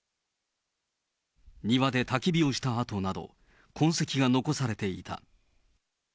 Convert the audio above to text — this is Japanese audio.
庭でたき火をした跡など、痕跡が残されていた。